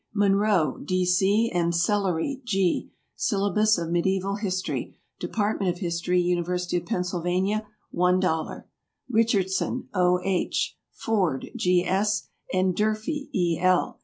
MUNRO, D. C., and SELLERY, G. "Syllabus of Medieval History." Department of History. University of Pennsylvania. $1. RICHARDSON, O. H., FORD, G. S., and DURFEE, E. L.